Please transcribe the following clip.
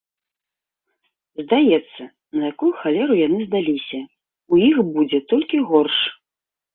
Здаецца, на якую халеру яны здаліся, у іх будзе толькі горш.